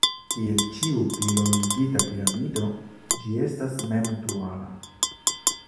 Kiel ĉiu plilongigita piramido, ĝi estas mem-duala.